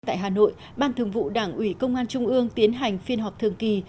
tại hà nội ban thường vụ đảng ủy công an trung ương tiến hành phiên họp thường kỳ